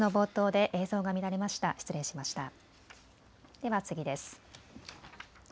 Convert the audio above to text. では次です。